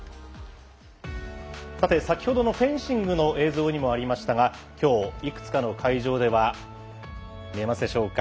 さて先ほどのフェンシングの映像にもありましたがきょう、いくつかの会場では見えますでしょうか。